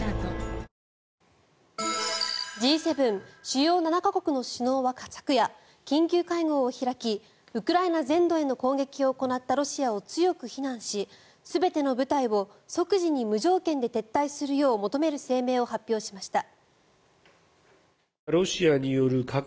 ・主要７か国の首脳は昨夜、緊急会合を開きウクライナ全土への攻撃を行ったロシアを強く非難し全ての部隊を即時に無条件で撤退するよう求める声明を発表しました。